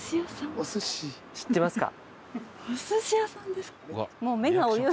知ってますか？